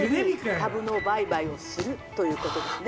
「株の売買をするということですね」。